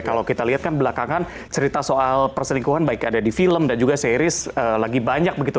kalau kita lihat kan belakangan cerita soal perselingkuhan baik ada di film dan juga series lagi banyak begitu